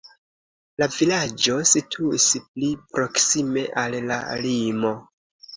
La vilaĝo situis pli proksime al la limo.